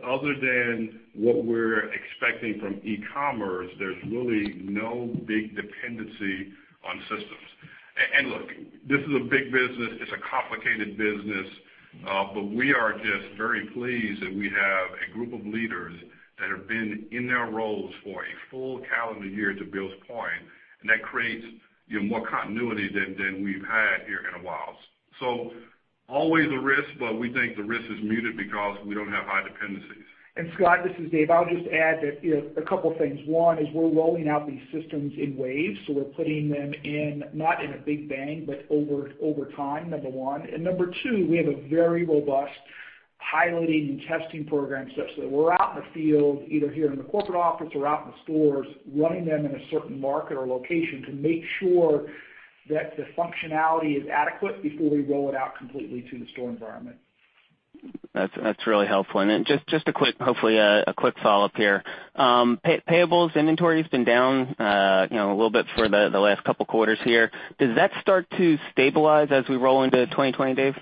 Other than what we're expecting from e-commerce, there's really no big dependency on systems. Look, this is a big business. It's a complicated business. We are just very pleased that we have a group of leaders that have been in their roles for a full calendar year, to Bill's point. That creates more continuity than we've had here in a while. Always a risk, but we think the risk is muted because we don't have high dependencies. Scot, this is Dave. I'll just add a couple of things. One is we're rolling out these systems in waves, so we're putting them in not in a big bang, but over time, number one. Number two, we have a very robust highlighting and testing program such that we're out in the field, either here in the corporate office or out in the stores, running them in a certain market or location to make sure that the functionality is adequate before we roll it out completely to the store environment. That's really helpful. Just hopefully a quick follow-up here. Payables inventory has been down a little bit for the last couple of quarters here. Does that start to stabilize as we roll into 2020, Dave?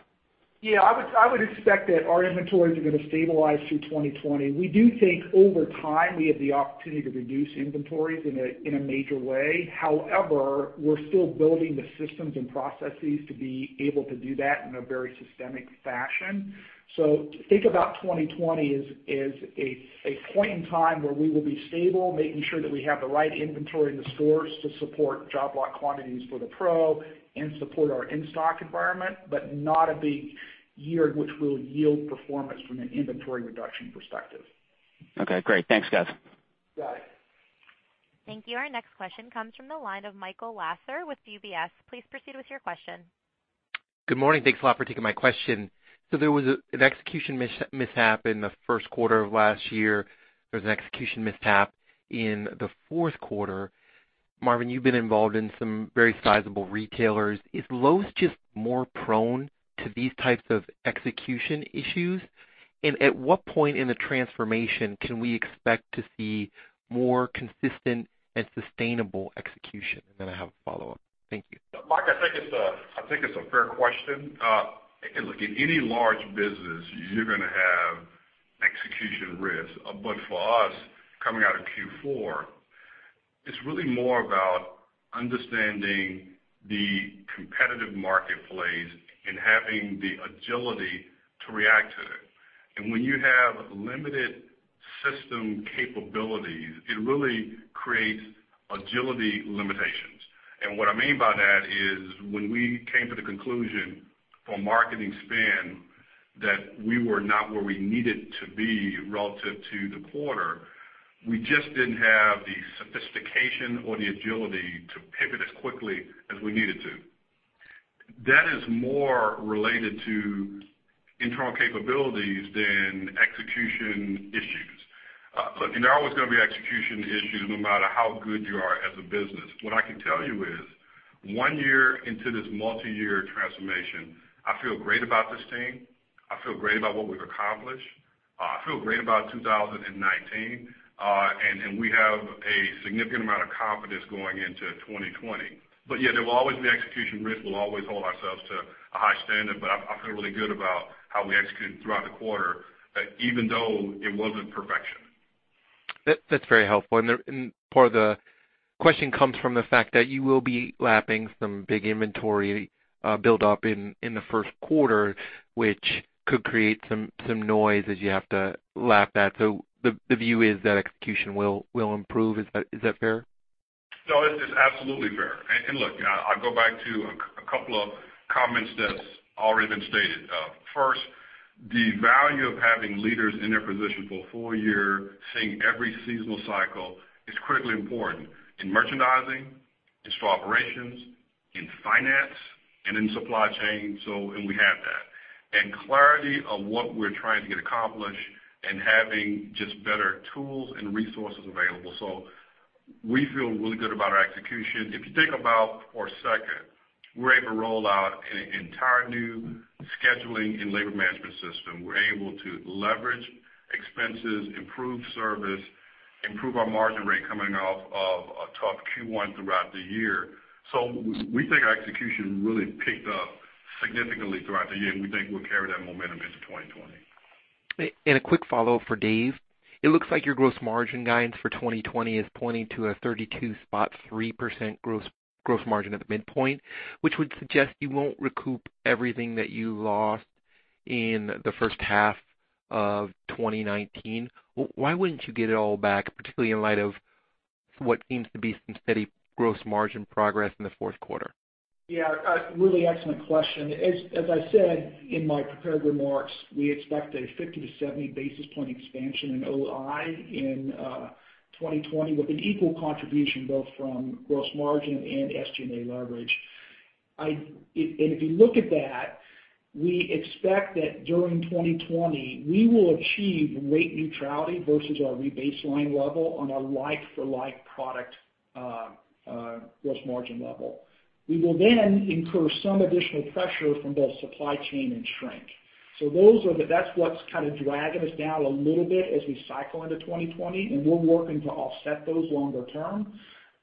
Yeah, I would expect that our inventories are going to stabilize through 2020. We do think over time, we have the opportunity to reduce inventories in a major way. However, we're still building the systems and processes to be able to do that in a very systemic fashion. Think about 2020 as a point in time where we will be stable, making sure that we have the right inventory in the stores to support job lot quantities for the pro and support our in-stock environment, but not a big year which will yield performance from an inventory reduction perspective. Okay, great. Thanks, guys. Got it. Thank you. Our next question comes from the line of Michael Lasser with UBS. Please proceed with your question. Good morning. Thanks a lot for taking my question. There was an execution mishap in the first quarter of last year. There was an execution mishap in the fourth quarter. Marvin, you've been involved in some very sizable retailers. Is Lowe's just more prone to these types of execution issues? At what point in the transformation can we expect to see more consistent and sustainable execution? I have a follow-up. Thank you. Mike, I think it's a fair question. Look, in any large business, you're going to have execution risk. For us, coming out of Q4, it's really more about understanding the competitive marketplace and having the agility to react to it. When you have limited system capabilities, it really creates agility limitations. What I mean by that is when we came to the conclusion for marketing spend that we were not where we needed to be relative to the quarter, we just didn't have the sophistication or the agility to pivot as quickly as we needed to. That is more related to internal capabilities than execution issues. Look, there are always going to be execution issues, no matter how good you are as a business. What I can tell you is one year into this multi-year transformation, I feel great about this team. I feel great about what we've accomplished. I feel great about 2019. We have a significant amount of confidence going into 2020. Yeah, there will always be execution risk. We'll always hold ourselves to a high standard. I feel really good about how we executed throughout the quarter, even though it wasn't perfection. That's very helpful. Part of the question comes from the fact that you will be lapping some big inventory build up in the first quarter, which could create some noise as you have to lap that. The view is that execution will improve. Is that fair? No, it's absolutely fair. Look, I'll go back to a couple of comments that's already been stated. First, the value of having leaders in their position for a full-year, seeing every seasonal cycle is critically important in merchandising, it's for operations, in finance, and in supply chain, and we have that. Clarity of what we're trying to get accomplished and having just better tools and resources available. We feel really good about our execution. If you think about for a second, we were able to roll out an entire new scheduling and labor management system. We're able to leverage expenses, improve service, improve our margin rate coming off of a tough Q1 throughout the year. We think our execution really picked up significantly throughout the year, and we think we'll carry that momentum into 2020. A quick follow-up for Dave. It looks like your gross margin guidance for 2020 is pointing to a 32.3% gross margin at the midpoint, which would suggest you won't recoup everything that you lost in the first half of 2019. Why wouldn't you get it all back, particularly in light of what seems to be some steady gross margin progress in the Q4? Yeah, a really excellent question. As I said in my prepared remarks, we expect a 50-70 basis point expansion in OI in 2020 with an equal contribution both from gross margin and SG&A leverage. If you look at that, we expect that during 2020, we will achieve rate neutrality versus our re-baseline level on a like-for-like product gross margin level. We will then incur some additional pressure from both supply chain and shrink. Those are the best ones kind of dragging us down a little bit as we cycle into 2020, and we're working to offset those longer term.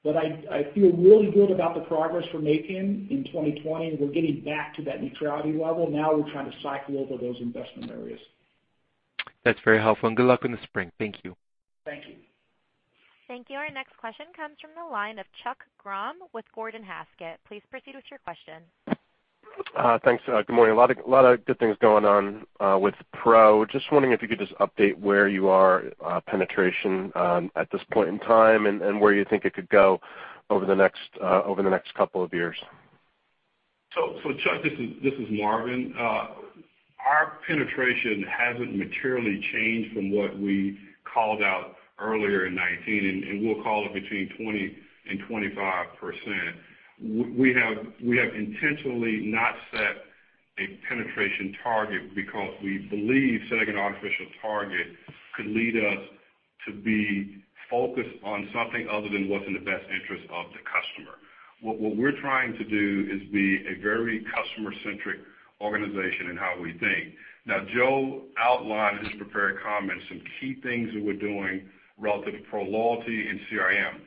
I feel really good about the progress we're making in 2020, and we're getting back to that neutrality level. We're trying to cycle over those investment areas. That's very helpful, and good luck in the spring. Thank you. Thank you. Thank you. Our next question comes from the line of Chuck Grom with Gordon Haskett. Please proceed with your question. Thanks. Good morning. A lot of good things going on with pro. Just wondering if you could just update where you are, penetration at this point in time, and where you think it could go over the next couple of years? Chuck, this is Marvin. Our penetration hasn't materially changed from what we called out earlier in 2019, and we'll call it between 20% and 25%. We have intentionally not set a penetration target because we believe setting an artificial target could lead us to be focused on something other than what's in the best interest of the customer. What we're trying to do is be a very customer-centric organization in how we think. Joe outlined in his prepared comments some key things that we're doing relative to Pro Loyalty and CRM.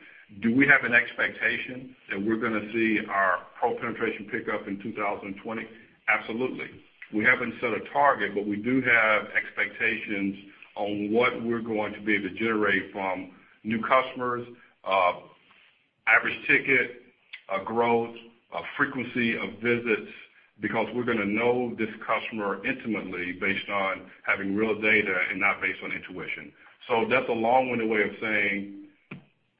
Do we have an expectation that we're going to see our Pro penetration pick up in 2020? Absolutely. We haven't set a target, we do have expectations on what we're going to be able to generate from new customers, average ticket, growth, frequency of visits, because we're going to know this customer intimately based on having real data and not based on intuition. That's a long-winded way of saying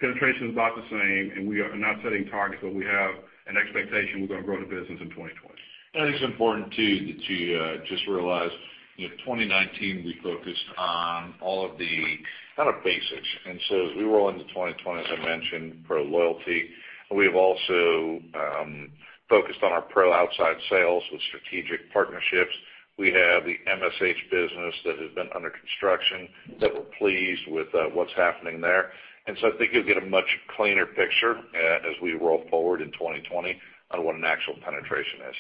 penetration is about the same, we are not setting targets, we have an expectation we're going to grow the business in 2020. It's important too, that you just realize, 2019, we focused on all of the kind of basics. As we roll into 2020, as I mentioned, Pro Loyalty, and we've also focused on our Pro outside sales with strategic partnerships. We have the MST business that has been under construction that we're pleased with what's happening there. I think you'll get a much cleaner picture as we roll forward in 2020 on what an actual penetration is.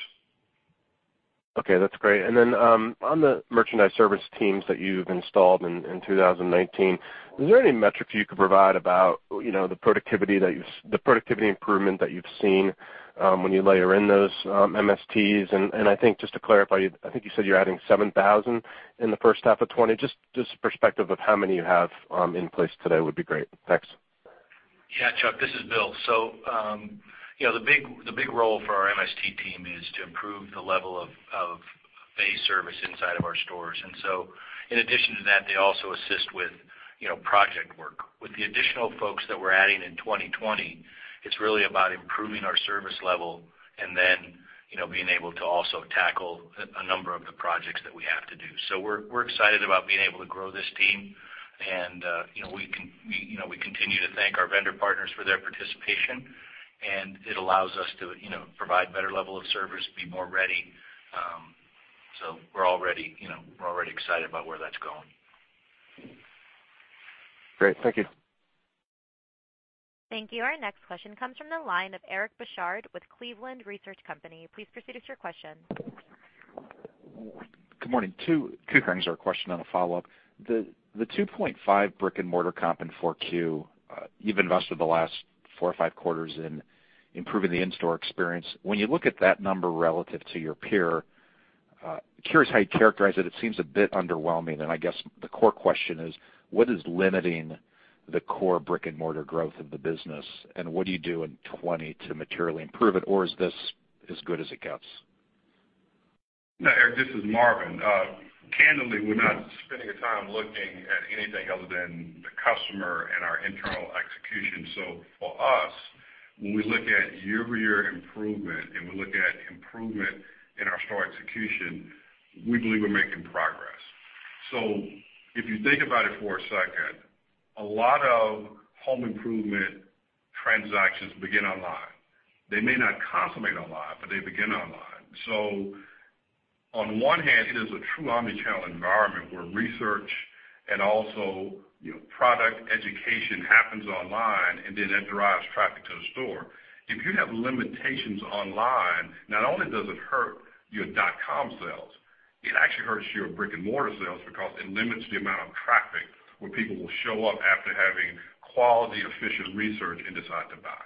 Okay, that's great. On the Merchandising Service Teams that you've installed in 2019, is there any metric you could provide about the productivity improvement that you've seen when you layer in those MSTs? I think just to clarify, I think you said you're adding 7,000 in the H1 of 2020. Just a perspective of how many you have in place today would be great. Thanks. Yeah, Chuck, this is Bill. The big role for our MST team is to improve the level of base service inside of our stores. In addition to that, they also assist with project work. With the additional folks that we're adding in 2020, it's really about improving our service level and then being able to also tackle a number of the projects that we have to do. We're excited about being able to grow this team and we continue to thank our vendor partners for their participation. It allows us to provide better level of service, be more ready. We're already excited about where that's going. Great. Thank you. Thank you. Our next question comes from the line of Eric Bosshard with Cleveland Research Company. Please proceed with your question. Good morning. Two things. One's our question and a follow-up. The 2.5 brick and mortar comp in four Q, you've invested the last four or five quarters in improving the in-store experience. When you look at that number relative to your peer, curious how you characterize it. It seems a bit underwhelming, and I guess the core question is: What is limiting the core brick and mortar growth of the business, and what do you do in 2020 to materially improve it? Or is this as good as it gets? No, Eric, this is Marvin. Candidly, we're not spending the time looking at anything other than the customer and our internal execution. For us, when we look at year-over-year improvement and we look at improvement in our store execution, we believe we're making progress. If you think about it for a second, a lot of home improvement transactions begin online. They may not consummate online, but they begin online. On one hand, it is a true omni-channel environment where research and also product education happens online, and then that drives traffic to the store. If you have limitations online, not only does it hurt your .com sales, it actually hurts your brick and mortar sales because it limits the amount of traffic where people will show up after having quality, efficient research and decide to buy.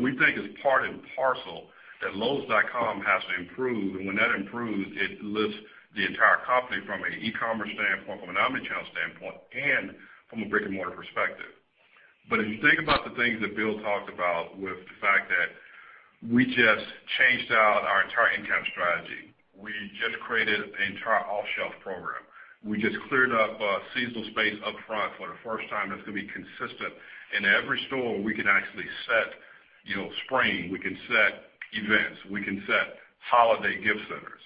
We think it's part and parcel that lowes.com has to improve, and when that improves, it lifts the entire company from an e-commerce standpoint, from an omni-channel standpoint, and from a brick and mortar perspective. If you think about the things that Bill talked about with the fact that we just changed out our entire income strategy. We just created an entire off-shelf program. We just cleared up seasonal space up front for the first time that's going to be consistent. In every store, we can actually set spring, we can set events, we can set holiday gift centers.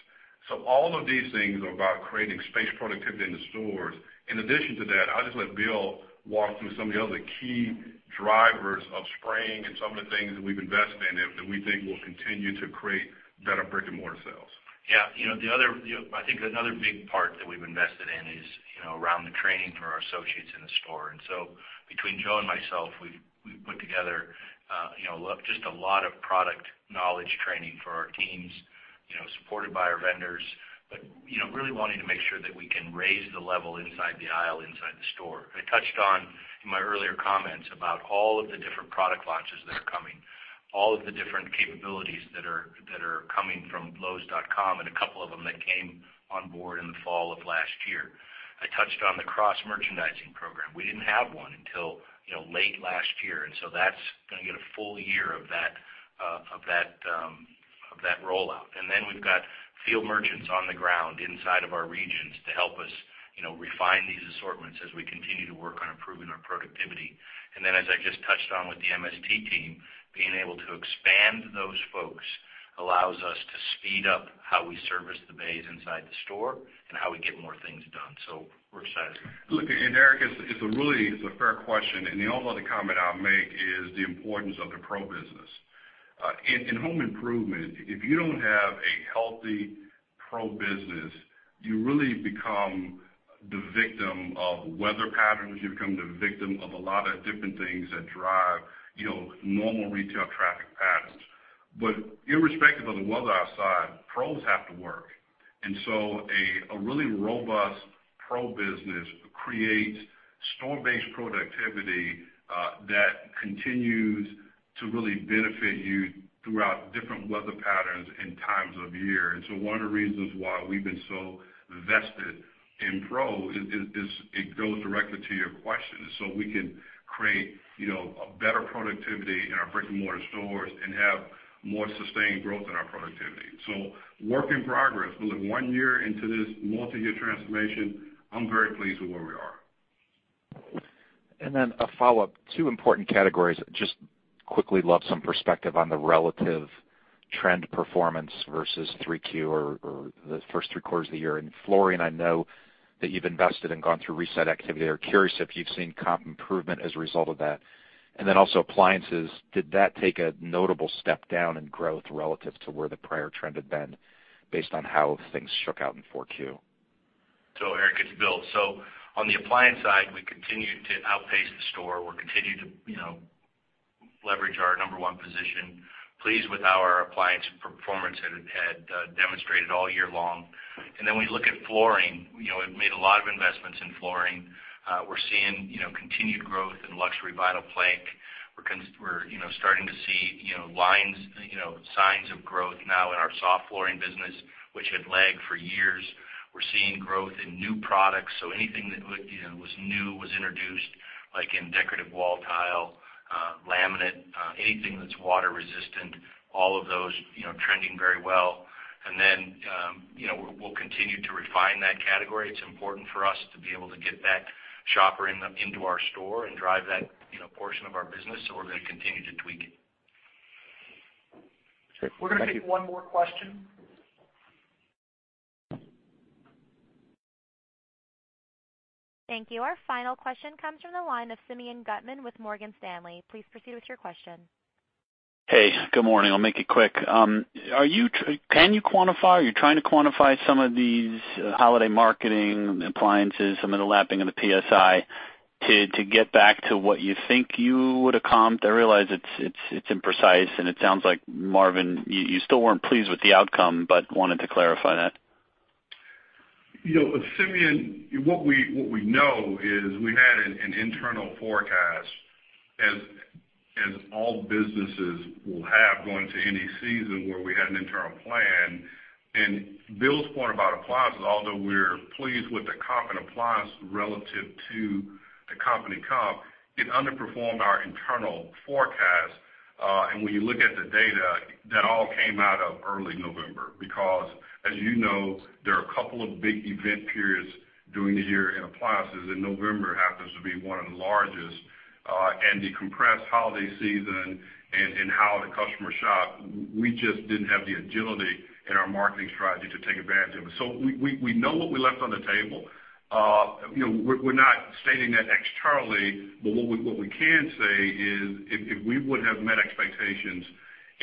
All of these things are about creating space productivity in the stores. In addition to that, I'll just let Bill walk through some of the other key drivers of spring and some of the things that we've invested in that we think will continue to create better brick and mortar sales. Yeah. I think another big part that we've invested in Around the training for our associates in the store. Between Joe and myself, we've put together just a lot of product knowledge training for our teams, supported by our vendors. Really wanting to make sure that we can raise the level inside the aisle, inside the store. I touched on, in my earlier comments about all of the different product launches that are coming, all of the different capabilities that are coming from lowes.com, and a couple of them that came on board in the fall of last year. I touched on the cross-merchandising program. We didn't have one until late last year, and so that's going to get a full year of that rollout. We've got field merchants on the ground inside of our regions to help us refine these assortments as we continue to work on improving our productivity. As I just touched on with the MST team, being able to expand those folks allows us to speed up how we service the bays inside the store and how we get more things done. We're excited. Eric, it's a fair question, and the only other comment I'll make is the importance of the pro business. In home improvement, if you don't have a healthy pro business, you really become the victim of weather patterns. You become the victim of a lot of different things that drive normal retail traffic patterns. Irrespective of the weather outside, pros have to work, a really robust pro business creates store-based productivity that continues to really benefit you throughout different weather patterns and times of year. One of the reasons why we've been so vested in pro is, it goes directly to your question. We can create a better productivity in our brick-and-mortar stores and have more sustained growth in our productivity. Work in progress. We're one year into this multi-year transformation. I'm very pleased with where we are. Then a follow-up. Two important categories. Just quickly love some perspective on the relative trend performance versus Q3 or the first three quarters of the year in flooring. I know that you've invested and gone through reset activity. I was curious if you've seen comp improvement as a result of that. Then also appliances, did that take a notable step down in growth relative to where the prior trend had been based on how things shook out in Q4? Eric, it's Bill. On the appliance side, we continue to outpace the store. We're continuing to leverage our number one position. Pleased with how our appliance performance had demonstrated all year long. We look at flooring. We've made a lot of investments in flooring. We're seeing continued growth in luxury vinyl plank. We're starting to see signs of growth now in our soft flooring business, which had lagged for years. We're seeing growth in new products. Anything that was new, was introduced, like in decorative wall tile, laminate, anything that's water-resistant, all of those trending very well. We'll continue to refine that category. It's important for us to be able to get that shopper into our store and drive that portion of our business, so we're going to continue to tweak it. Great. Thank you. We're going to take one more question. Thank you. Our final question comes from the line of Simeon Gutman with Morgan Stanley. Please proceed with your question. Hey, good morning. I'll make it quick. Can you quantify, are you trying to quantify some of these holiday marketing appliances, some of the lapping of the PSI to get back to what you think you would have comped? I realize it's imprecise, and it sounds like, Marvin, you still weren't pleased with the outcome, but wanted to clarify that. Simeon, what we know is we had an internal forecast as all businesses will have going into any season where we had an internal plan. Bill's point about appliances, although we're pleased with the comp in appliance relative to the company comp, it underperformed our internal forecast. When you look at the data, that all came out of early November, because as you know, there are a couple of big event periods during the year in appliances, and November happens to be one of the largest. The compressed holiday season and how the customer shop, we just didn't have the agility in our marketing strategy to take advantage of it. We know what we left on the table. We're not stating that externally, but what we can say is if we would have met expectations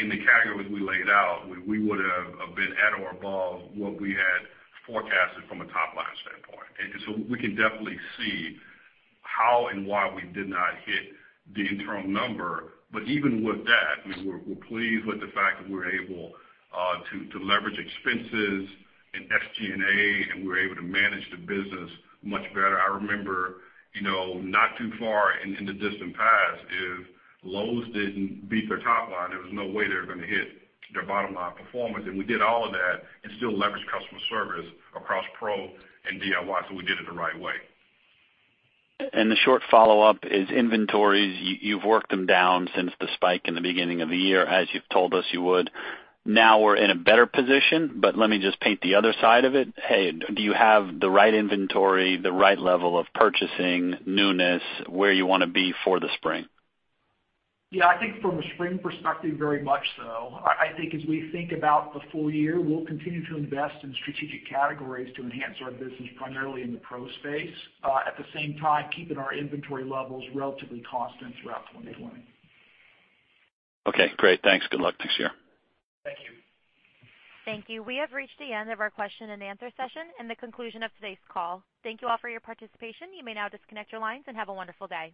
in the categories we laid out, we would have been at or above what we had forecasted from a top-line standpoint. We can definitely see how and why we did not hit the internal number. Even with that, we're pleased with the fact that we were able to leverage expenses and SG&A, and we were able to manage the business much better. I remember, not too far in the distant past, if Lowe's didn't beat their top line, there was no way they were going to hit their bottom-line performance. We did all of that and still leveraged customer service across Pro and DIY. We did it the right way. The short follow-up is inventories. You've worked them down since the spike in the beginning of the year, as you've told us you would. Now we're in a better position, let me just paint the other side of it. Hey, do you have the right inventory, the right level of purchasing, newness, where you want to be for the spring? Yeah, I think from a spring perspective, very much so. I think as we think about the full-year, we'll continue to invest in strategic categories to enhance our business, primarily in the pro space. At the same time, keeping our inventory levels relatively constant throughout 2020. Okay, great. Thanks. Good luck next year. Thank you. Thank you. We have reached the end of our question and answer session and the conclusion of today's call. Thank you all for your participation. You may now disconnect your lines and have a wonderful day.